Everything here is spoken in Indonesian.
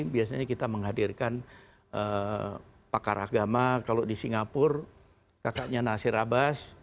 biasanya kita menghadirkan pakar agama kalau di singapura kakaknya nasir abbas